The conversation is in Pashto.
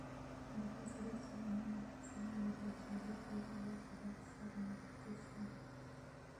د حضرت سلیمان علیه السلام د پاچاهۍ پر مهال دا کیسه رامنځته شوه.